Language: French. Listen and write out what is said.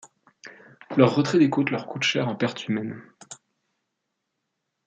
Leur retrait des côtes leur coûte cher en pertes humaines.